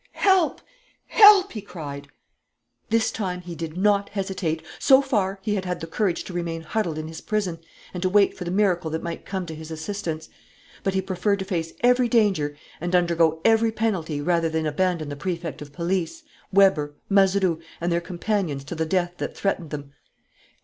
"Help! Help!" he cried. This time he did not hesitate. So far, he had had the courage to remain huddled in his prison and to wait for the miracle that might come to his assistance; but he preferred to face every danger and undergo every penalty rather than abandon the Prefect of Police, Weber, Mazeroux, and their companions to the death that threatened them.